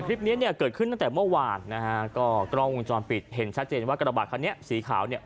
คลิปนี้เนี่ยเกิดขึ้นตั้งแต่เมื่อวานนะฮะก็กล้องวงจรปิดเห็นชัดเจนว่ากระบาดคันนี้สีขาวเนี่ย